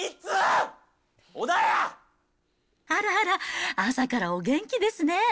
あらあら、朝からお元気ですね。